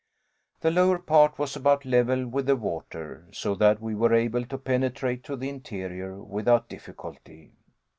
The lower part was about level with the water, so that we were able to penetrate to the interior without difficulty.